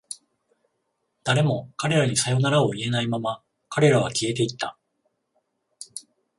誰も彼らにさよならを言えないまま、彼らは消えていった。